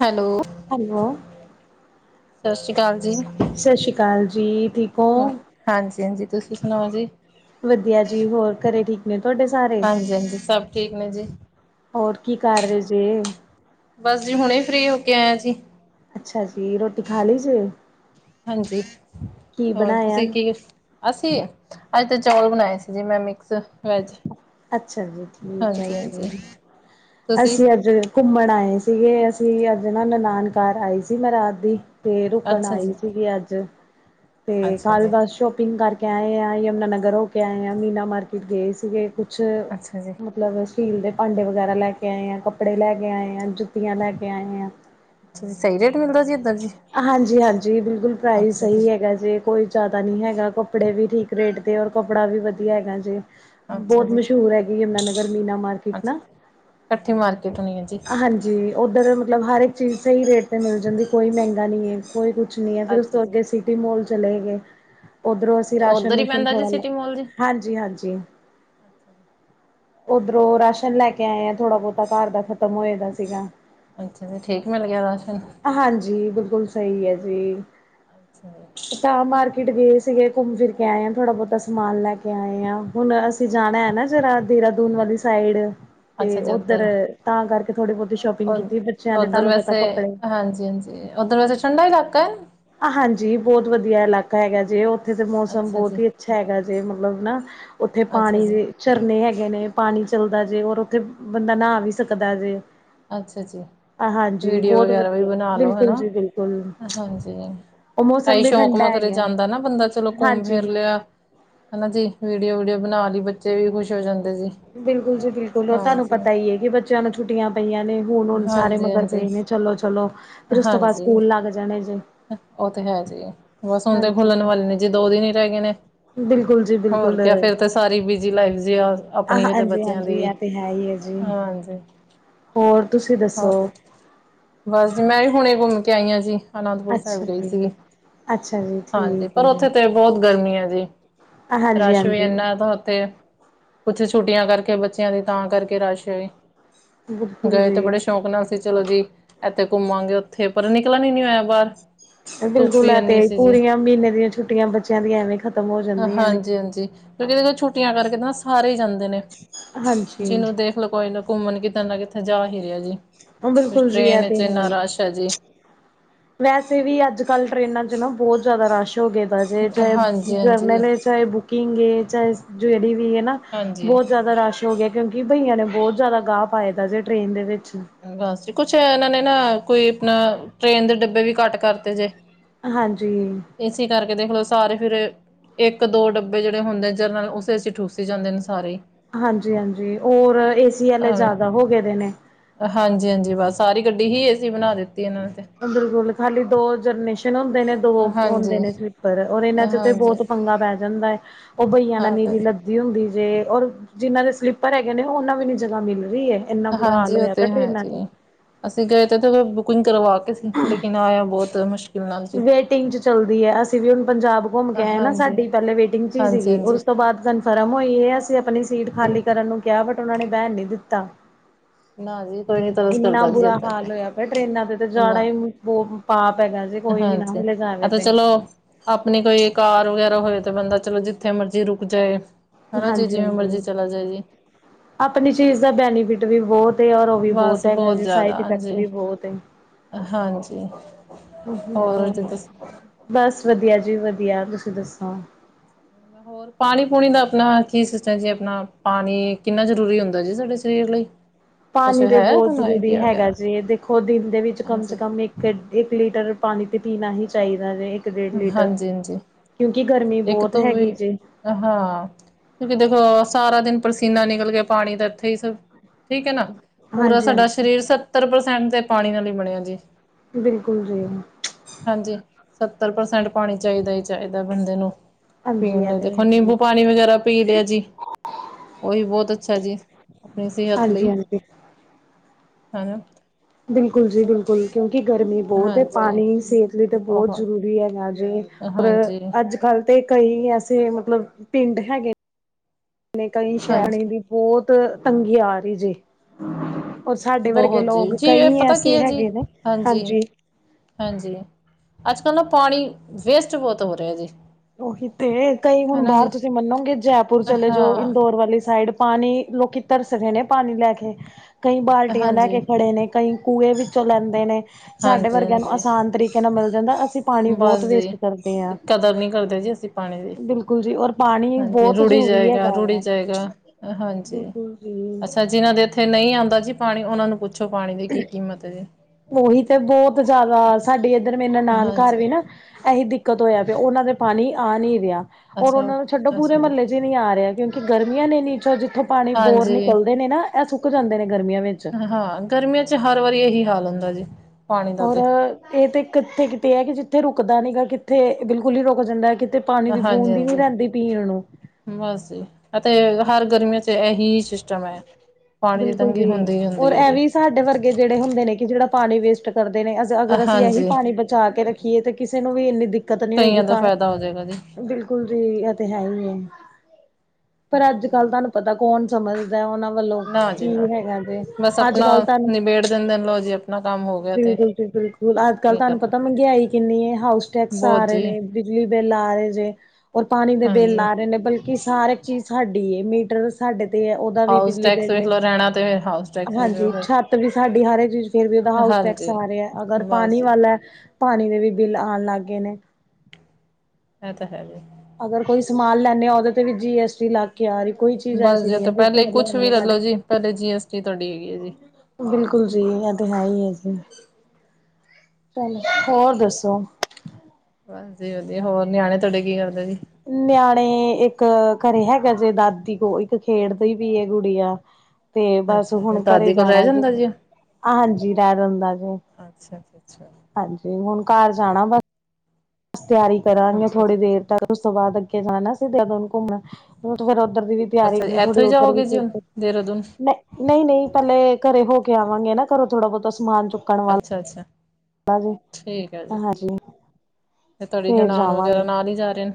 Hello, hello [inaudible] ਸਤਿ ਸ਼੍ਰੀ ਅਕਾਲ ਜੀ, [unintelligible] ਸਤਿ ਸ਼੍ਰੀ ਅਕਾਲ ਜੀ, ਠੀਕ ਹਂ, ਹੋ? ਹਾਂਜੀ ਹਾਂਜੀ, ਤੁਸੀਂ ਸੁਣਾਓ ਜੀ? ਵਧੀਆ ਜੀ, ਹੋਰ ਘਰੇ ਠੀਕ ਨੇ ਤੁਹਾਡੇ ਸਾਰੇ? ਹਾਂਜੀ ਹਾਂਜੀ, ਸਭ ਠੀਕ ਨੇ ਜੀ। ਹੋਰ, ਕੀ ਕਰ ਰਹੇ ਜੇ। ਬਸ ਜੀ, ਹੁਣੇ ਫਰੀ ਹੋ ਕੇ ਆਏ ਜੀ। ਅੱਛਾ ਜੀ, ਰੋਟੀ ਖਾ ਲਈ ਜੇ। ਹਾਂਜੀ, ਕੀ ਹੋਰ ਬਣਾਇਆ? ਤੁਸੀਂ ਕੀ ਅਸੀਂ ਅੱਜ ਤਾਂ ਚੌਲ ਬਣਾਏ ਸੀ ਮੈਂ, ਮਿਕਸ ਵੈਜ ਅੱਛਾ ਜੀ, ਠੀਕ ਹੈ ਹਾਂਜੀ ਹਾਂਜੀ, ਜੀ, ਤੁਸੀਂ? ਅਸੀਂ ਅੱਜ ਘੁੰਮਣ ਆਏ ਸੀਗੇ, ਅਸੀਂ ਅੱਜ ਨਾ ਨਨਾਣ ਘਰ ਆਈ ਸੀ, ਮੈਂ ਰਾਤ ਦੀ। ਤੇ ਰੁਕਣ ਅੱਛਾ ਜੀ, ਆਈ ਸੀਗੀ, ਅੱਜ ਤੇ ਅੱਛਾ ਕੱਲ ਜੀ, ਬਸ ਪਿੰਨ ਕਰਕੇ ਆਏ ਆ, ਯਮੁਨਾ ਨਗਰ ਹੋ ਕੇ ਆਏ ਆ, ਮੀਨਾ ਮਾਰਕੀਟ ਗਏ ਸੀਗੇ। ਕੁਜ ਅੱਛਾ ਜੀ। ਮਤਲਬ ਸਟੀਲ ਦੇ ਭਾਂਡੇ ਵਗੈਰਾ ਲੈ ਕੇ ਆਏ ਆ, ਕੱਪੜੇ ਲੈ ਕੇ ਆਏ ਆ, ਜੁੱਤੀਆਂ ਲੈ ਕੇ ਆਏ ਆ। ਸਹੀ ਰੇਟ ਮਿਲਦਾ ਜੀ। ਇੱਧਰ ਜੀ? ਹਾਂਜੀ-ਹਾਂਜੀ, ਬਿਲਕੁਲ ਪ੍ਰਾਈਜ਼ ਅੱਛਾ ਜੀ, ਸਹੀ ਹੈਗਾ, ਜੇ ਕੋਈ ਜ਼ਿਆਦਾ ਨਹੀਂ ਹੈਗਾ, ਕੱਪੜੇ ਵੀ ਠੀਕ ਰੇਟ ਤੇ, ਔਰ ਕੱਪੜਾ ਵੀ ਵਧੀਆ ਹੈਗਾ ਜੇ, ਅੱਛਾ ਬਹੁਤ ਜੀ, ਮਸ਼ਹੂਰ ਹੈਗਾ। ਯਮੁਨਾ ਨਗਰ ਮੀਨਾ ਮਾਰਕੀਟ ਅੱਛਾ। ਨਾ, ਇਕੱਠੀ ਮਾਰਕੀਟ ਹੋਣੀ ਹੈ ਜੀ। ਹਾਂਜੀ। ਜੀ, ਉੱਧਰ ਮਤਲਬ ਹਰ ਇੱਕ ਚੀਜ਼ ਸਹੀ ਰੇਟ 'ਤੇ ਮਿਲ ਜਾਂਦੀ, ਕੋਈ ਮਹਿੰਗਾ ਨੀ ਏ। ਕੋਈ ਕੁਛ ਨੀ ਐ, ਫਿਰ ਉਸ ਅੱਛਾ ਤੋ ਜੀ, ਅੱਗੇ ਸਿਟੀ ਮੋਲ ਚਲੇਗੇ, ਓਧਰੋ ਤੇ ਉੱਧਰ ਹੀ ਰਾਸਨ-ਰੂਸਨ ਪੈਂਦਾ ਜੀ ਥੋੜਾ, ਸਿਟੀ ਮੋਲ ਜੀ? ਹਾਂਜੀ-ਹਾਂਜੀ। [unintelligible] ਓਧਰੋ ਰਾਸ਼ਨ ਲੈ ਕੇ ਆਏ ਆ ਥੋੜਾ ਬੋਤਾ, ਘੱਰ ਦਾ ਖਤਮ ਹੋਯਾ ਦਾ ਸੀਗਾ। ਅੱਛਾ ਜੀ, ਠੀਕ ਮੇਲ ਗਯਾ ਰਾਸ਼ਨ? ਹਾਂਜੀ, ਬਿਲਕੁਲ ਸਈ ਐ ਜੀ। ਅੱਛਾ। ਤਾਂ ਮਾਰਕੀਟ ਗਏ ਸੀਗੇ, ਘੁੰਮ ਫਿਰ ਕੇ ਆਏ ਆ, ਥੋੜ੍ਹਾ ਬਹੁਤਾ ਸਮਾਨ ਲੈ ਕੇ ਆਏ ਆ। ਹੁਣ ਅਸੀਂ ਅੱਛਾ ਜਾਣਾ ਜੀ, ਏ ਨਾ ਜਰਾ, ਦੇਹਰਾਦੂਨ ਵਾਲੀ ਸਾਈਡ। ਅੱਛਾ ਤੇ ਜੀ ਉੱਧਰ, ਤਾਂ ਕਰਕੇ ਥੋੜੀ ਬਹੁਤੀ ਸ਼ੋਪਿੰਗ ਕੀਤੀ, ਬੱਚਿਆਂ ਦੇ ਤੁਹਾਨੂੰ ਪਤਾ ਕੱਪੜੇ ਹਾਂਜੀ-ਹਾਂਜੀ, ਓਧਰ ਵੈਸੇ ਠੰਡਾ ਇਲਾਕਾ। ਹਾਂਜੀ, ਬਹੁਤ ਵਧੀਆ ਇਲਾਕਾ ਹੈਗਾ ਜੇ, ਉੱਥੇ ਤਾਂ ਮੌਸਮ ਅੱਛਾ ਜੀ, ਬੌਤ ਹੀ ਅੱਛਾ ਹੈਗਾ ਜੇ, ਮਤਲਬ ਨਾ ਉੱਥੇ ਅੱਛਾ ਪਾਣੀ ਜੀ, ਦੇ ਝਰਨੇ ਹੈਗੇ ਨੇ, ਪਾਣੀ ਚੱਲਦਾ ਜੇ, ਔਰ ਉੱਥੇ ਬੰਦਾ ਨਹਾ ਵੀ ਸਕਦਾ ਜੇ। ਅੱਛਾ ਜੀ। ਹਾਂਜੀ, ਵੀਡੀਓ ਬਹੁਤ ਵਗੈਰਾ ਵੀ ਵਧੀਆ ਬਣਾ ਲੋ ਬਿਲਕੁਲ ਹਨਾ, ਜੀ ਬਿਲਕੁਲ। ਹਾਂਜੀ, ਉਹ ਮੌਸਮ ਇਹੀ ਵੀ ਸ਼ੌਕ ਠੰਡਾ ਮਗਰੇ ਹੈਗਾ ਜਾਂਦਾ ਨਾ ਬੰਦਾ ਚਲੋ ਘੁੰਮ ਫਿਰ ਹਾਂਜੀ ਲਿਆ। ਹਨਾ ਜੀ, ਵੀਡੀਓ-ਵੂਡਿਓ ਬਣਾ ਲਈ ਬੱਚੇ ਵੀ ਖੁਸ਼ ਹੋ ਜਾਂਦੇ ਜੀ। ਬਿਲਕੁਲ ਜੀ ਬਿਲਕੁਲ, ਉਹ ਤਾਨੂੰ ਹਾਂਜੀ, ਪਤਾ ਈ ਏ ਕਿ ਬੱਚਿਆਂ ਨੂੰ ਛੁੱਟੀਆਂ ਪਈਆਂ ਨੇ, ਹੁਣ-ਹੁਣ ਸਾਰੇ ਹਾਂਜੀ ਮਗਰ ਹਾਂਜੀ, ਪਏ ਨੇ, ਚਲੋ-ਚਲੋ ਫਿਰ ਉਸ ਤੋਂ ਬਾਅਦ ਹਾਂਜੀ। ਸਕੂਲ ਲੱਗ ਜਾਣੇ ਜੇ। ਉਹ ਤੇ ਹੈ ਜੀ, ਬਸ ਹੁਣ ਤੇ ਹਾਂਜੀ ਖੁੱਲਣ ਵਾਲੇ ਨੇ ਜੀ, ਦੋ ਦਿਨ ਹੀ ਰਹਿ ਗਏ ਨੇ। ਬਿਲਕੁਲ ਜੀ ਹੋਰ ਬਿਲਕੁਲ ਕੀ ਆ ਫੇਰ ਤੇ ਸਾਰੀ ਬਿਜੀ ਲਾਈਫ ਜੇਆ ਆਪਨੀ ਵੀ ਤੇ ਬੱਚਿਆ ਦੀ ਹਾਂਜੀ-ਹਾਂਜੀ ਵੀ। ਇਹ ਤੇ ਹੈਈ ਐ ਜੀ। ਹੋਰ ਤੁਸੀਂ ਦੱਸੋ? [unintelligible] ਵੱਸ ਜੀ ਮੈਂ ਵੀ ਹੁਣੇ ਘੁੰਮ ਕੇ ਆਈਂ ਆਂ ਜੀ। ਆਨੰਦਪੁਰ ਸੈਬ ਅੱਛਾ ਗਈ ਜੀ ਸੀਗੀ, ਅੱਛਾ ਜੀ ਹਾਂਜੀ, ਠੀਕ ਪਰ ਹੈ ਜੀ ਓਥੇ ਤੇ ਬੋਤ ਗਰਮੀ ਐ ਜੀ। ਰੱਸ ਵੀ ਹਾਂਜੀ-ਹਾਂਜੀ ਏਨਾਂ ਤਾ ਓੱਥੇ। ਕੁਛ ਛੁੱਟੀਆਂ ਕਾਰਕੇ ਬੱਚਿਆ ਦੀ ਤਾ ਕਾਰਕੇ ਰੱਸ ਵੀ, ਬਿਲਕੁਲ ਗਏ ਤੇ ਜੀ ਬੜੇ [unintelligible] ਚਲੋ ਜੀ ਐੱਥੇ ਘੁੰਮਾਂਗੇ-ਓੱਥੇ, ਪਰ ਨਿਕਲਨ ਈ ਨੀ ਹੋਯਾ ਬਾਰ ਬਿਲਕੁਲ, ਐ ਤੇ ਪੂਰੀਆਂ ਮੀਨੇ ਦੀਆਂ ਛੁੱਟੀਆਂ ਬੱਚਿਆ ਦੀਆ ਐਵੇਂ ਖਤਮ ਹੋ ਜਾਂਦੀਆ ਨੇ। ਹਾਂਜੀ [unintelligible] ਛੁੱਟੀਆਂ ਕਰਕੇ ਨਾ ਸਾਰੇ ਈ ਜਾਂਦੇ ਨੇ, ਹਾਂਜੀ ਜਿਨੂੰ ਦੇਖ ਮਤਲਬ ਕੋਈ ਨਾ ਕੁੰਮਨ ਕਿਤੇ ਨਾ ਕਿੱਥੇ ਜਾ ਹੀ ਰੇਆ ਜੀ। ਓ ਬਿਲਕੁਲ ਜੀ, ਐ ਟ੍ਰੇਨ ਚ ਤੇ ਇੰਨਾ ਹੈਈ। ਰਸ਼ ਹੈ ਜੀ ਵੈਸੇ ਵੀ ਅੱਜ-ਕੱਲ ਟਰੇਨਾਂ ਚ ਨਾ ਬੋਤ ਜਾਦਾ ਰੱਸ [unintelligible] ਚਾਏ ਹਾਂਜੀ ਹਾਂਜੀ ਜਰਨਲ ਏ, ਚਾਏ ਬੁਕਿੰਗ ਏ, ਚਾਏ ਜੇੜੀ ਵੀ ਏ ਨਾ ਹਾਂਜੀ ਬੋਤ ਜਾਦਾ ਰੱਸ਼ ਹੋ ਗਿਆ। ਕਿਓਕਿ ਬਈਯਾਂ ਨੇ ਬੋਤ ਜਾਦਾ ਗਾ ਪਾਯਾ ਦਾ ਜੇ ਟ੍ਰੇਨ ਦੇ ਵਿੱਚ। ਬੱਸ ਜੀ ਕੁਛ ਐਨਾ ਨੇ ਨਾ, ਕੋਈ ਅਪਨਾ ਟ੍ਰੇਨ ਦੇ ਡੱਬੇ ਵੀ ਘੱਟ ਕੱਰਤੇ ਜੇ। ਹਾਂਜੀ। ਏਸੇ ਕੱਰਕੇ ਦੇਖਲੋ ਸਾਰੇ ਫੇਰ ਏਕ, ਦੋ ਡੱਬੇ ਜੇੜੇ ਹੁੰਦੇ ਜਰਨਲ, ਉਸੇ ਸੀ ਠੂਸੀ ਜਾਂਦੇ ਨੇ ਸਾਰੇ। ਹਾਂਜੀ, ਹਾਂਜੀ ਔਰ ਏਸੀ ਆਲੇ ਭਾਵੇਂ ਜਾਦਾ ਹੋ ਗਏ ਦੇ ਨੇ। ਹਾਂਜੀ- ਹਾਂਜੀ ਬੱਸ ਸਾਰੀ ਗੱਡੀ ਹੀ ਏਸੀ ਬਨਾ ਦਿੱਤੀ ਏਨਾਂ ਨੇ ਤੇ। [unintelligible] ਖਾਲੀ ਦੋ ਜਰਨੇਸ਼ਨ ਹੋਂਦੇ ਨੇ। ਦੋ ਹਾਂਜੀ ਹੋਂਦੇ ਨੇ ਸਵੀਪਰ ਔਰ ਏਨਾਂ ਚ ਤੇ ਹਾਂਜੀ ਬੋਤ ਪੰਗਾ ਪੈ ਜਾਂਦਾ ਏ, ਓ ਬਈਆਂ ਹਾਂ ਨਾਲ ਭੈਣ [unintelligible] ਜੀ ਹੁੰਦੀ ਜੇ ਔਰ ਜਿਨਾਂ ਦੇ ਸਲੀਪਰ ਹੈਗੇ ਨੇ, ਓਨਾਂ ਵੀ ਨੀ ਜਗਾ ਮਿਲ ਰੀ ਏ। ਏਨਾਂ ਬੁਰਾ ਹਾਲ ਹੋਯੈ ਦਾ ਟਰੇਨਾਂ ਚ। ਅਸੀ ਗਏ ਤੇ, ਤਾਂ ਬੁਕਿੰਗ ਕਰਵਾਕੇ ਸੀ, ਲੇਕਿਨ ਆਏਂ ਆ ਬੋਤ ਮੁਸ਼ਕਿਲ। ਨਾਲ ਜੀ ਵੇਟਿੰਗ ਚ ਚੱਲਦੀ ਐ, ਅਸੀ ਵੀ ਹੁਨ ਪੰਜਾਬ ਘੁੰਮ ਕੇ ਆਏ ਨਾ, ਹਾਂਜੀ ਸਾਡੀ ਪੈਲੇ ਵੇਟਿੰਗ ਚ ਈ ਹਾਂਜੀ ਸੀਗੀ, ਓਸ ਹਾਂਜੀ ਉਸ ਤੋ ਬਾਦ ਕਨਫਰਮ ਹੋਈ ਏ, ਅਸੀ ਅਪਨੀ ਸੀਟ ਠੀਕ ਖਾਲੀ ਕਰਨ ਨੂੰ ਕਿਹਾ, ਬਟ ਓਨਾਂ ਨੇ ਬੈਨ ਨੀ ਦਿੱਤਾ। ਨਾ ਜੀ ਕੋਈ ਨੀ ਤਰਸ ਇੰਨਾ ਕਰਦਾ ਜੀ ਬੁਰਾ ਏਦਾਂ ਤੇ ਹਾਲ ਹੋਇਆ ਪਿਆ, ਟਰੇਨਾਂ ਤੇ ਤਾ ਜਾਣਾ ਈ ਬੋ ਪਾਪ [unintelligible] ਜੇ ਕੋਈ ਵੀ ਨਾ ਹਲੇ ਜਾਵੇ ਤੇ ਅ ਆਪਨੀ ਕੋਈ ਕਾਰ ਵਗੈਰਾ ਹੋਏ, ਤੇ ਬੰਦਾ ਚਲੋ ਜਿੱਥੇ ਮਰਜ਼ੀ ਰੁਕ ਜਾਏ। ਹਨਾ ਜੀ ਜਿਵੇਂ ਮਰਜ਼ੀ ਹਾਂਜੀ-ਹਾਂਜੀ ਚਲਾ ਜਾਏ ਜੀ। ਆਪਣੀ ਚੀਜ਼ ਦਾ ਬੈਨੀਫਿਟ ਵੀ ਬਹੁਤ ਏ, ਔਰ ਉਹ ਵੀ ਬਹੁਤ ਬਸ ਹੈਗਾ ਜ਼ਿਆਦਾ ਸਾਈਡ ਇਫੈਕਟ ਹਾਂਜੀ ਵੀ ਬਹੁਤ ਏ। ਹਾਂਜੀ। ਹੋਰ ਜੀ ਦੱਸੋ ਬਸ ਵਧੀਆ ਜੀ ਵਧੀਆ, ਤੁਸੀਂ ਦੱਸੋ? ਮੈਂ ਹੋਰ। ਪਾਣੀ- ਪੂਣੀ ਦਾ ਆਪਣਾ ਕੀ ਸਿਸਟਮ ਜੀ। ਆਪਣਾ ਪਾਣੀ ਕਿੰਨਾ ਜ਼ਰੂਰੀ ਹੁੰਦਾ ਜੀ ਸਾਡੇ ਸਰੀਰ ਲਈ। [inaudible] ਪਾਨੀ ਦੇ ਹੈ ਬੋਤ ਤੁਹਾਨੂੰ ਜ਼ਰੂਰੀ ਆਈਡੀਆ ਹੈਗਾ ਵਗੈਰਾ ਜੀ, ਦੇਖੋ ਦਿਨ ਦੇ ਵਿੱਚ ਕਮ ਸੇ ਹਾਂਜੀ ਕਮ ਇੱਕ ਇੱਕ ਲੀਟਰ ਪਾਨੀ ਤੇ ਪੀਨਾ ਹੀ ਚਾਈਦਾ ਵੇ। ਇੱਕ, ਡੇੜ ਲੀਟਰ ਹਾਂਜੀ ਹਾਂਜੀ ਕਿਉਂਕਿ ਗਰਮੀ ਇੱਕ ਬੋਤ ਤੋਂ ਵੀ ਹੈਗੀ ਜੇ। ਹਾਂ, ਕਿਉਕਿ ਦੇਖੋ ਸਾਰਾ ਦਿਨ ਪਰਸੀਨਾ ਨਿਕਲ ਗਯਾ, ਪਾਨੀ ਤਾ ਇੱਥੇ ਈ ਸ ਠੀਕ ਐ ਨਾ, ਪੂਰਾ ਹਾਂਜੀ ਸਾਡਾ ਹਾਂਜੀ ਸ਼ਰੀਰ ਸੱਤਰ ਪ੍ਰਸੈਂਟ ਤੇ ਪਾਨੀ ਨਾਲ ਈ ਬਣਯਾ ਜੀ। ਬਿਲਕੁਲ ਜੀ। ਹਾਂਜੀ, ਸੱਤਰ ਪਰਸੈਂਟ ਪਾਨੀ ਚਾਹੀਦਾ ਈ ਚਾਹੀਦਾ ਬੰਦੇ ਨੂੰ। ਹਾਂਜੀ ਪੀਨ ਇਹ ਲਈ, ਤੇ ਹੈ ਦੇਖੋ ਹੀ ਹੈ। ਨਿੰਬੂ-ਪਾਨੀ ਵਗੈਰਾ ਪੀ ਲਿਆ ਜੀ। ਓਈ ਬੋਤ ਅੱਛੈ ਜੀ, ਅਪਨੀ ਸੇਹਤ ਲਈ, ਹਾਂਜੀ ਹਾਂਜੀ ਹਨਾ ਬਿਲਕੁਲ ਜੀ, ਬਿਲਕੁਲ ਕਿਯੁਕਿ ਗਰਮੀ ਬੋਤ ਏ, ਹਾਂਜੀ ਪਾਨੀ ਸੇਹਤ ਲਈ ਤਾ ਬੋਤ ਬਹੁਤ ਜ਼ਰੂਰੀ ਹੈਗਾ ਜੇ। ਪਰ ਹਾਂਜੀ ਅੱਜ-ਕੱਲ ਤੇ ਕਈ ਐਸੇ ਮਤਲਬ ਪਿੰਡ ਹੈਗੇ ਕਈ ਸ਼ਆਣੇ ਹਾਂਜੀ ਦੀ ਬੋਤ ਤੰਗੀ ਆ ਰੀ ਜੇ। ਔਰ ਸਾਡੇ ਵਰਗੇ ਬਹੁਤ ਜੀ ਲੋਕ ਜੀ ਇਹ ਕਈ ਪਤਾ ਕੀ ਐਸੇ ਹੈ ਜੀ ਹੈਗੇ ਨੇ, ਹਾਂਜੀ- ਹਾਂਜੀ ਅੱਜ ਕੱਲ ਨਾ ਪਾਣੀ ਵੇਸਟ ਬਹੁਤ ਹੋ ਰਿਹਾ ਜੀ। ਉਹੀ ਤੇ ਕਈ ਹੁਣ ਹਨਾ ਜੀ, ਬਾਹਰ ਤੁਸੀਂ ਮੰਨੋਗੇ ਜੈਪੁਰ ਚਲੇ ਜਾਓ, ਹਾਂ ਇੰਦੋਰ ਵਾਲੀ ਸਾਈਡ। ਪਾਣੀ, ਲੋਕੀ ਤਰਸ ਰਹੇ ਨੇ ਪਾਣੀ ਲੈ ਕੇ। ਕਈ ਬਾਲਟੀਆਂ ਲੈ ਕੇ ਹਾਂਜੀ। ਖੜੇ ਨੇ ਕਈ। ਕੂਏ ਵਿੱਚੋਂ ਲੈਂਦੇ ਨੇ, ਸਾਡੇ ਵਰਗਿਆਂ ਨੂੰ ਹਾਂਜੀ-ਹਾਂਜੀ, ਆਸਾਨ ਤਰੀਕੇ ਨਾਲ ਮਿਲ ਜਾਂਦਾ। ਅਸੀਂ ਪਾਣੀ ਬਹੁਤ ਬਸ ਜੀ। ਵੇਸਟ ਕਰਦੇ ਆ। ਕਦਰ ਨਹੀਂ ਕਰਦੇ ਜੀ ਅਸੀਂ। ਪਾਣੀ ਦੀ, ਬਿਲਕੁਲ ਜੀ, ਔਰ ਪਾਣੀ ਹਾਂਜੀ ਬਹੁਤ ਰੁੜੀ ਜ਼ਰੂਰੀ ਜਾਏਗਾ, ਹੈਗਾ ਰੁੜੀ ਵਾ, ਜਾਏਗਾ। ਹਾਂਜੀ। ਬਿਲਕੁਲ। ਜੀ ਅੱਛਾ ਜਿਨਾਂ ਦੇ ਇੱਥੇ ਨਹੀਂ ਆਉਂਦਾ ਜੀ ਪਾਣੀ। ਉਹਨਾ ਨੂੰ ਪੁੱਛੋ ਪਾਣੀ ਦੀ ਕੀ ਕੀਮਤ ਹੈ ਜੀ। ਉਹੀ ਤੇ, ਬਹੁਤ ਜ਼ਿਆਦਾ ਸਾਡੇ ਇੱਧਰ ਮੇਰੇ ਨ ਨਾਨ ਘਰ ਹਾਂਜੀ। ਵੀ ਨਾ, ਇਹੀ ਦਿ- ਦਿੱਕਤ ਹੋਇਆ ਪਿਆ। ਉਹਨਾਂ ਦੇ ਪਾਣੀ ਆ ਨੀ ਰਿਹਾ, ਔਰ ਅੱਛਾ, ਉਹਨਾਂ ਨੂੰ ਛੱਡੋ ਪੂਰੇ ਅੱਛਾ ਜੀ, ਮਹੱਲੇ ਚ ਹੀ ਨਹੀਂ ਆ ਰਿਹਾ। ਕਿਉਂਕਿ ਗਰਮੀਆਂ ਨੇ ਇੰਾ ਕਿੱਥੋਂ ਪਾਣੀ ਬੋਰ ਹਾਂਜੀ। ਨਿਕਲਦੇ ਨੇ ਨਾ, ਇਹ ਸੁੱਕ ਜਾਂਦੇ ਨੇ ਗਰਮੀਆਂ ਵਿੱਚ। ਹਾਂ ਗਰਮੀਆਂ ਚ ਹਰ ਵਾਰੀ ਇਹੀ ਹਾਲ ਹੁੰਦਾ ਜੀ। ਪਾਣੀ ਦਾ ਔਰ ਤੇ, ਇਹ ਤੇ ਕਿੱਥੇ ਕਿਤੇ ਹੈ ਕਿ ਜਿੱਥੇ ਰੁਕਦਾ ਨੀ ਗਾ ਕਿੱਥੇ ਬਿਲਕੁਲ ਹੀ ਰੁਕ ਜਾਂਦਾ ਹੈ ਕਿਤੇ ਪਾਣੀ ਦੀ ਬੂੰਦੀ ਨੀ ਹਾਂਜੀ-ਹਾਂਜੀ। ਰਹਿੰਦੀ ਪੀਣ ਨੂੰ। ਬਸ ਅ ਤੇ ਹਰ ਗਰਮੀਆਂ ਚ ਇਹੀ ਸਿਸਟਮ ਹੈ। ਪਾਣੀ ਦੀ ਬਿਲਕੁਲ ਤੰਗੀ ਜੀ ਹੁੰਦੀ ਹੀ ਔਰ ਹੁੰਦੀ ਹੈ ਇਹ ਜੀ। ਵੀ ਸਾਡੇ ਵਰਗੇ ਜਿਹੜੇ ਹੁੰਦੇ ਨੇ ਕਿ ਜਿਹੜਾ ਪਾਣੀ ਵੇਸਟ ਕਰਦੇ ਨੇ ਅਗਰ ਅਸੀਂ ਇਹੀ ਹਾਂਜੀ ਪਾਣੀ ਬ ਬਚਾ ਕੇ ਰੱਖੀਏ ਤੇ ਕਿਸੇ ਨੂੰ ਵੀ ਇੰਨੀ ਦਿੱਕਤ ਨੀ ਹੋਏਗੀ ਕਈਆਂ ਦਾ ਘਰ। ਫਾਇਦਾ ਹੋ ਜਾਏਗਾ ਜੀ ਬਿਲਕੁਲ ਜੀ ਇਹ ਤੇ ਹੈ ਹੀ ਹੈ, ਪਰ ਅੱਜ ਕੱਲ ਤੁਹਾਨੂੰ ਪਤਾ ਕੌਣ ਸਮਝਦਾ ਉਹਨਾਂ ਵੱਲੋਂ। ਨਾ ਜੀ ਨਾ ਕੀ ਹੈਗਾ ਜੇ ਬਸ ਅੱਜ ਆਪਣਾ ਕਲ ਤੁਹਾਨੂੰ ਨਿਬੇੜ ਦਿੰਦੇ ਨੇ ਲਓ ਜੀ ਆਪਣਾ ਕੰਮ ਹੋ ਗਿਆ ਤੇ ਬਿਲਕੁਲ-ਬਿਲਕੁਲ। ਅੱਜ ਕੱਲ ਕੀ ਤੁਹਾਨੂੰ ਕਰਨਾ ਪਤਾ ਮਹਿੰਗਾਈ ਕਿੰਨੀ ਹਾਊਸ ਟੈਕਸ ਆ ਬਹੁਤ ਰਹੇ ਜੀ ਨੇ। ਬਿਜਲੀ ਬਿੱਲ ਆ ਰਹੇ ਜੇ ਔਰ ਪਾਣੀ ਦੇ ਬਿੱਲ ਹਾਂਜੀ ਆ ਰਹੇ ਨੇ ਬਲ ਕਿ ਸਾਰ ਇੱਕ ਚੀਜ਼ ਸਾਡੀ ਮੀਟਰ ਸਾਡੇ ਤੇ ਹੈ ਉਹਦਾ ਵੀ ਹਾਊਸ ਬਿਜਲੀ ਟੈਕਸ ਬਿੱਲ ਵੇਖ ਹੈ। ਲਓ ਰਹਿਣਾ ਤੇ ਫੇਰ ਹਾਊਸ ਟੈਕਸ ਵੀ ਹਾਂਜੀ ਦਿਓ ਫਿਰ ਛੱਤ ਵੀ ਸਾਡੀ ਹਰੇ ਚੀਜ਼ ਫਿਰ ਵੀ ਉਹਦਾ ਹਾਊਸ ਟੈਕਸ ਹਾਂਜੀ ਆ ਰਿਹਾ ਅਗਰ ਬਸ ਪਾਣੀ ਜੀ ਵਾਲ ਲੇ ਪਾਣੀ ਦੇ ਵੀ ਬਿੱਲ ਆਣ ਲੱਗ ਗਏ ਨੇ। ਇਹ ਤਾਂ ਹੈ ਹੀ ਹੈ। ਅਗਰ ਕੋਈ ਸਮਾਨ ਲੈਂਨੇ ਆ ਔਦੇ ਤੇ ਵੀ ਜੀ ਐਸ ਟੀ ਲੱਗ ਕੇ ਆਰੀ ਕੋਈ ਚੀਜ਼ ਐਸੀ ਨੀ ਹੈ ਫੇਰ ਤੋਂ ਮਤਲਬ [unintelligible] ਪੈਲੇ ਜੀ ਐਸ ਟੀ ਤੁਆਡੀ ਹੈਗੀ ਹੈ ਜੀ। ਬਿਲਕੁਲ ਜੀ ਐ ਤੇ ਹੈ ਹੀ ਹੈ ਜੀ। ਹੋਰ ਦੱਸੋ। ਬਸ ਜੀ ਵਧੀਆ ਹੋਰ ਨਿਆਣੇ ਤੁਆਡੇ ਕੀ ਕਰਦੇ ਜੀ? ਨਿਆਣੇ ਇੱਕ ਕਰੇ ਹੈਗਾ ਜੇ ਦਾਦੀ ਕੋ ਇੱਕ ਖੇਡਦੀ ਪੀਏ ਗੁੜੀਆ। ਤੇ ਬਸ ਅੱਛਾ ਫਿਰ ਹੁਣ ਘਰੇ ਦਾਦੀ ਕੋਲ ਰਹਿ ਜਾਣਾ ਜੀ ਜਾਂਦਾ ਜੇ। ਹਾਂਜੀ ਰਹਿ ਦਿੰਦਾ ਜੇ, ਜੀ ਅੱਛਾ। ਹਾਂਜੀ ਹੁਣ ਘਰ ਜਾਣਾ ਬਸ। ਤਿਆਰੀ ਕਰਾਂਗੇ ਅੱਛਾ ਜੀ ਥੋੜੀ ਦੇਰ ਤੱਕ ਉਸ ਤੋਂ ਬਾਅਦ ਅੱਗੇ ਜਾਣਾ ਸੀ ਦੇਹਰਾਦੂਨ ਘੁੰਮਣ ਫੇਰ ਉੱਧਰ ਦੀ ਵੀ ਤਿਆਰੀ ਅੱਛਾ ਜੀ ਹੋਣੀ ਥੋੜੀ ਇੱਥੋਂ ਹੀ ਉੱਧਰ ਵੀ ਜਾਓਗੇ ਜੀ ਹੁਣ ਦੇਹਰਾਦੂਨ [unintelligible] ਨਹੀਂ-ਨਹੀਂ ਪਹਿਲੇ ਘਰੇ ਹੋ ਕੇ ਆਵਾਂਗੇ ਨਾ ਘਰੋਂ ਥੋੜਾ ਬਹੁਤਾ ਸਮਾਨ ਚੁੱਕਣ ਵਾਲਾ ਅੱਛਾ-ਅੱਛਾ। ਜੀ ਠੀਕ ਹੈ ਜੀ, ਹਾਂਜੀ ਤੇ ਤੁਹਾਡੀ ਫੇਰ ਨਨਾਨ ਵਗੈਰਾ ਜਾਵਾਂਗੇ ਨਾਲ ਜਾ ਰਹੇ ਨੇ?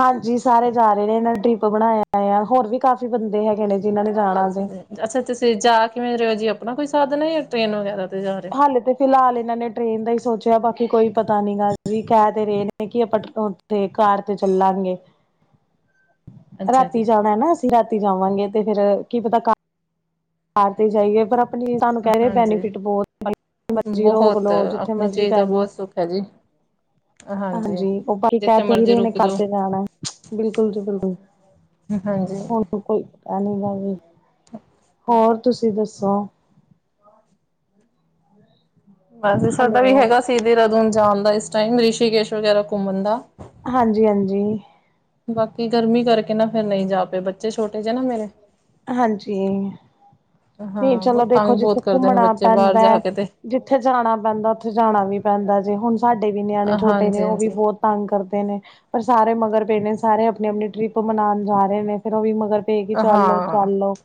ਹਾਂਜੀ ਸਾਰੇ ਜਾ ਰਹੇ ਨੇ ਇਹਨਾ ਨੇ ਟਰਿਪ ਬਣਾਇਆ ਹੋਇਆ ਹੋਰ ਵੀ ਕਾਫ਼ੀ ਬੰਦੇ ਹੈਗੇ ਨੇ। ਜਿਨਾਂ ਨੇ ਜਾਣਾ ਅੱਛਾ ਜੇ ਜੀ ਅੱਛਾ ਤੁਸੀਂ ਜਾ ਕਿਵੇਂ ਰਹੇ ਹੋ ਜੀ ਆਪਣਾ ਕੋਈ ਸਾਧਨ ਹੈ ਜਾਂ ਟੇਨ ਵਗੈਰਾ। ਤੇ ਜਾ ਰਹੇ ਹਾਲੇ ਤੇ ਫਿਲਹਾਲ ਇਹਨਾਂ ਨੇ ਟ੍ਰਰੇਨ ਦਾ ਹੀ ਸੋਚਿਆ ਬਾਕੀ ਕੋਈ ਪਤਾ ਨੀ ਗਾ ਵੀ ਕਹਿ ਦੇ ਰਹੇ ਨੇ ਕਿ ਆਪਾ [inaudible] ਤੇ ਕਾਰ ਤੇ ਚੱਲਾਂਗੇ। [inaudible] ਅੱਛਾ ਰਾਤੀ ਜੀ ਜਾਣਾ ਹੈ ਨਾ ਅਸੀਂ ਰਾਤੀ ਜਾਵਾਂਗੇ ਤੇ ਫੇਰ ਕੀ ਪਤਾ ਕਾਰ ਕਾਰ ਤੇ ਜਾਈਯੇ, ਪਰ ਅਪ ਤਾੱਨੁ ਕੈ ਰਹੇ ਹਾਂਜੀ ਬੈਨੀਫਿਟ ਬੋਤ [inaudible] ਮਰਜ਼ੀ ਰੋਕ ਬਹੁਤ ਲੋ, ਜਿੱਥੇ ਆਪਣੀ ਮਰਜ਼ੀ ਚੀਜ਼ ਪੈ ਦਾ ਜੋ। ਬਹੁਤ ਸੁੱਖ ਹੈ ਜੀ। ਹਾਂਜੀ ਔ ਪਾਈ ਕੈ ਜਿੱਥੇ ਤੇ ਏਹੀ ਮਰਜ਼ੀ ਰੇ ਨੇ ਰੁਕ ਕਾਰ ਜਾਓ ਤੇ ਜਾਣਾ ਬਿਲਕੁਲ ਜੀ ਬਿਲਕੁਲ। ਹਾਂਜੀ। ਹੁਣ [unintelligible] [inaudible] ਹੋਰ, ਤੁਸੀਂ ਦੱਸੋ। ਬਸ ਸਾਡਾ ਵੀ ਹੈਲੋ ਹੈਗਾ ਸੀ ਦੇਰਾਦੂਨ ਜਾਣ ਦਾ ਇਸ ਟਾਈਮ ਰਿਸ਼ੀਕੇਸ਼ ਵਗੈਰਾ ਘੁੰਮਨ ਦਾ। ਹਾਂਜੀ-ਹਾਂਜੀ। ਬਾਕੀ ਗਰਮੀ ਕਰਕੇ ਨਾ ਫੇਰ ਨਹੀਂ ਜਾ ਪੇ ਬੱਚੇ ਛੋਟੇ ਜੇ ਨਾ ਮੇਰੇ। ਹਾਂਜੀ ਨੀ ਹਾਂ ਚਲੋ ਬਹੁਤ ਦੇਖੋ ਤੰਗ ਜਿੱਥੇ ਬਹੁਤ ਕਰਦੇ ਨੇ ਕੁੱਮਣਾ ਬੱਚੇ ਬਾਹਰ ਪੈਂਦਾ ਜਾ ਕੇ ਤੇ ਜਿੱਥੇ ਜਾਣਾ ਪੈਂਦਾ ਔਥੇ ਜਾਣਾ ਵੀ ਪੈਂਦਾ ਜੇ ਹੁਣ ਸਾਡੇ ਵੀ ਨਿਆਣੇ ਛੋਟੇ ਨੇ ਹਾਂਜੀ ਔ ਵੀ ਹਾਂਜੀ ਬੋਤ ਤੰਗ ਕਰਦੇ ਨੇ ਪਰ ਸਾਰੇ ਮਗਰ ਪੇ ਨੇ ਸਾਰੇ ਅਪਣੀ-ਅਪਣੀ ਟ੍ਰਿਪ ਮਨਾਣ ਜਾ ਰਹੇ ਨੇ ਫੇਰ ਔ ਵੀ ਮਗਰ ਪਏ ਕਿ ਚੱਲ ਲੋ ਹਾਂ, ਚੱਲ ਲੋ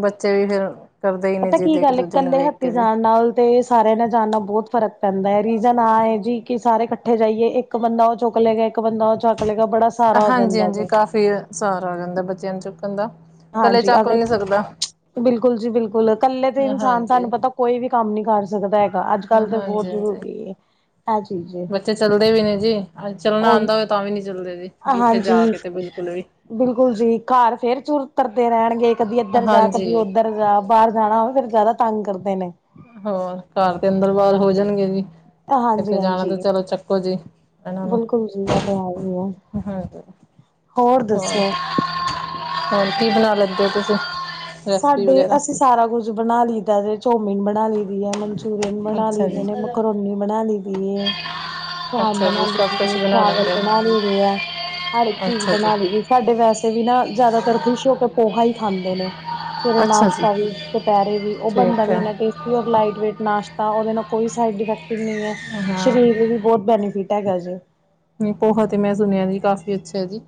ਬੱਚੇ ਵੀ ਫੇਰ। ਪਤਾ ਕੀ ਗੱਲ ਐ? ਕੱਲੇ ਹੱਥੀ ਜਾਣ ਨਾਲ ਤੇ ਸਾਰਿਆਂ ਨੇ ਜਾਣ ਨਾਲ ਬੋਤ ਫਰਕ ਪੈਂਦਾ ਐ। ਰੀਜ਼ਨ ਆਹ ਏ ਜੀ ਕਿ ਸਾਰੇ ਕੱਠੇ ਜਾਈਏ। ਇੱਕ ਇੱਕ ਬੱਚਾ ਓ ਚੁੱਕ ਲੈ ਗਿਆ। ਇੱਕ ਬੱਚਾ ਓ ਚੁੱਕ ਲੈ ਗਿਆ। ਬੜਾ ਸਾਰਾ ਹੋ ਜਾਂਦਾ ਹਾਂਜੀ-ਹਾਂਜੀ, ਵੇ ਕਾਫ਼ੀ ਸਹਾਰਾ ਆ ਜਾਂਦਾ। ਬੱਚਿਆਂ ਨੂੰ ਚੁੱਕਣ ਦਾ ਕਲੇ ਹਾਂਜੀ ਚਕ ਵੀ ਅਗਰ ਨੀ ਸਕਦਾ। ਬਿਲਕੁਲ ਜੀ ਬਿਲਕੁਲ ਕੱਲੇ ਤੇ ਇਨਸਾਨ, ਹਾਂਜੀ ਤਆਨੂੰ ਪਤਾ ਕੋਈ ਵੀ ਕੰਮ ਨੀ ਕਰ ਸਕਦਾ ਹੈਗਾ। ਅੱਜ ਗੱਲ, ਤੇ ਬੋਤ ਹਾਂਜੀ ਜ਼ਰੂਰੀ ਏ। [inaudible] [unintelligible] ਥੇ ਚੱਲਦੇ ਵੀ ਨੇ ਜੀ, ਚੱਲਣਾ ਉਹੀ ਆਂਦਾ ਹੋਵੇ ਤਾਂ ਵੀ ਨੀ ਚੱਲਦੇ ਜੀ,। ਇੱਥੇ ਹਾਂਜੀ ਜਾ ਕੇ ਤੇ ਬਿਲਕੁਲ ਵੀ ਬਿਲਕੁਲ ਜੀ, ਘਰ ਫੇਰ ਚੁਰਤਰਦੇ ਰੈਣਗੇ, ਕਦੀ ਏਧਰ ਜਾ ਕਦੀ ਹਾਂਜੀ ਔਧਰ। ਬਾਰ ਜਾਣਾ ਹੋਵੇ, ਫੇਰ ਜ਼ਾਦਾ ਤੰਗ ਕਰਦੇ ਨੇ। ਹੋਰ ਕਰ ਦੇ, ਅੰਦਰ-ਬਾਰ ਹੋ ਜਾਣਗੇ ਜੀ। ਹਾਂਜੀ ਕਿੱਥੇ ਜਾਣਾ ਹਾਂਜੀ ਤੇ? ਚਲੋ, ਚੱਕੋ ਜੀ। ਇਨਾੱ ਨੁ। ਬਿਲਕੁਲ ਜੀ ਇਹ ਤੇ ਹੈ ਹੀ ਹੈ ਹੋਰ ਦੱਸੋ। ਹੋਰ ਕੀ ਬਣਾ ਲੈਂਦੇ ਹੋ ਤੁਸੀਂ। ਰੈਸਪੀ ਸਾਡੇ ਵਗੈਰਾ ਅਸੀਂ ਸਾਰਾ ਕੁੱਝ ਬਣਾ ਲਈਦਾ ਤੇ ਚੋਮਨ ਬਣ। ਬਣਾ ਲਈ ਦੀ ਹੈ ਮਨਚੂਰੀਅਨ ਬਣਾ ਅੱਛਾ ਲਈ ਜੀ ਨੇ ਮਕਰੋਨੀ ਬਣਾ ਲਈ ਦੀ। ਚ ਅੱਛਾ ਬਣਾ ਜੀ ਲਈ ਸਭ ਦੀ ਹੈ ਕੁਛ ਬਣਾ ਚਾਵਲ ਲੈਂਦੇ ਬਣਾ ਲਏਦੇ ਆ ਹਰ ਇੱਕ ਹੋ ਚੀਜ਼ ਅੱਛਾ ਜੀ ਬਣਾ ਲਈਈ ਦੀ। ਸਾਡੇ ਵੈਸੇ ਵੀ ਨਾ ਜ਼ਿਆਦਾਤਰ ਖੁਸ਼ ਹੋ ਕੇ ਪੋਹਾ ਈ ਖਾਂਦੇ ਨੇ। ਸਵੇਰੇ ਅੱਛਾ ਜੀ ਨਾਸ਼ਤਾ ਵੀ ਦੁਪਹਿਰੇ ਵੀ ਉਹ ਬਣਦਾ ਠੀਕ ਵੀ ਹੈ ਇੰਨਾ ਟੇਸਟੀ ਹੈ। ਲਾਈਟ ਵੇਟ ਨਾਸ਼ਤਾ ਉਹਦੇ ਨਾਲ ਕੋਈ ਸਾਈਡ ਇਫੈਕਟ ਨਹੀਂ ਹੈ ਹਾਂ ਸਰੀਰ ਦੇ ਵੀ ਬਹੁਤ ਬੈਨੀਫਿਟ। ਐ, ਗਲ ਜੇ। ਪੋਹਾ, ਤੇ ਮੈਂ ਸੁਣਿਆ ਜੀ, ਕਾਫ਼ੀ ਅੱਛਾ ਜੀ।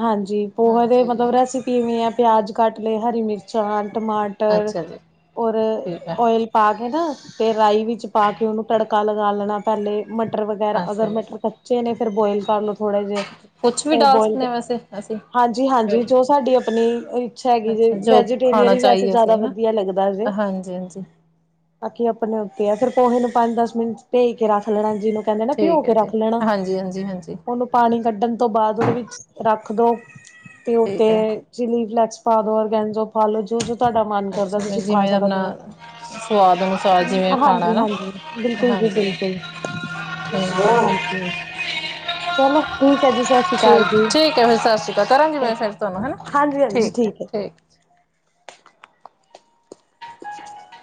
ਹਾਂਜੀ ਪੋਹਾ ਦੇ ਹਾਂਜੀ ਮਤਲਬ‌ਰੈਸਪੀ ਇਵੇਂ ਆ ਪਿਆਜ਼ ਕੱਟ ਲੇ ਹਰੀ ਮਿਰਚਾਂ, ਟਮਾਟਰ ਟਰ ਅੱਛਾ ਜੀ ਔਰ ਠੀਕ ਹੈ ਔਇਲ। ਪਾ ਕੇ ਨਾ ਤੇ ਰਾਈ ਵਿੱਚ ਪਾ ਕੇ ਓਨੂੰ ਤੜਕਾ ਲਗਾ ਲੈਣਾ ਪੈਲੇ। ਮਟਰ ਵਗੈਰਾ ਅੱਛਾ ਅਗਰ ਮਟਰ ਜੀ ਕੱਚੇ ਨੇ ਫੇਰ ਬੋਇਲ ਕਰ ਲੋ ਥੋੜਾ ਜੇਆ ਕੁਛ ਵੀ ਉਹ ਬੋਇਲ। [unintelligible] ਹਾਂਜੀ-ਹਾਂਜੀ, ਜੋ ਸਾਡੀ ਅਪਣੀ ਇੱਛਾ ਹੈਗੀ, ਜੇ ਅੱਛਾ ਜੋ ਵੈਜੀਟੇਰੀਅਨ ਹੀ ਵੈਸੇ ਜ਼ਾਦਾ ਵਧੀਆ ਲੱਗਦਾ ਜੇ। ਹਾਂਜੀ-ਹਾਂਜੀ। ਬਾਕੀ ਅਪਣੇ ਉੱਤੇ ਆ। ਫਿਰ ਪੋਹੇ ਨੂੰ ਪੰਜ-ਦਸ ਮਿੰਟ ਭੇ ਕੇ ਰੱਖ ਲੈਣਾ ਜਿਨੂੰ ਕੈਂਦੇ ਨਾ ਭਿਉ ਠੀਕ ਹੈ ਕੇ ਜੀ ਰੱਖ ਲੈਣਾ। ਹਾਂਜੀ ਹਾਂਜੀ ਹਾਂਜੀ ਓਨੂੰ ਪਾਣੀ ਕੱਢਣ ਤੋਂ ਬਾਅਦ ੳਹਦੇ ਵਿੱਚ ਰੱਖ ਦੋ ਤੇ ਠੀਕ ਉਤੇ। ਹੈ ਚਿਲੀ ਫੈਲਕਸ ਪਾ ਦੋ, ਔਰਗੈਨਜੋ ਪਾ ਲੋ ਜੋ-ਜੋ ਤਵਾਡਾ ਮਨ ਕਰਦਾ। ਅੱਛਾ ਭਾਈ ਤੁਸੀਂ ਪਾ ਜਿਵੇਂ ਸਕਦੇ ਆਪਣਾ ਓ। ਸਵਾਦ ਅਨੁਸਾਰ ਜਿਵੇਂ ਖਾਣਾ ਨਾ ਬਿਲਕੁਲ ਜੀ ਹਾਂਜੀ। ਬਿਲਕੁਲ ਹਾਂਜੀ [unintelligible] ਚਲੋ ਠੀਕ ਹੈ ਜੀ ਸਤਿ ਸ੍ਰੀ ਅਕਾਲ ਜੀ। ਕਿਵੇਂ ਸਤਿ ਸ੍ਰੀ ਅਕਾਲ ਕਰਾਂਗੀ ਮੈਸੇਜ ਤੁਹਾਨੂੰ ਹਨਾ ਠੀਕ ਹੈ ਠੀਕ। [unintelligible]